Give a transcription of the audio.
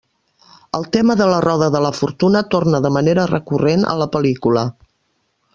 El tema de La roda de la fortuna torna de manera recurrent a la pel·lícula.